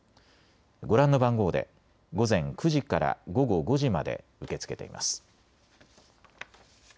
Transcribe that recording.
ご覧の番号で午前９時から午後５時まで受け付けています。